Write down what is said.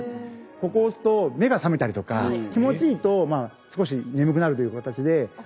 ここ押すと目が覚めたりとか気持ちいいと少し眠くなるという形で。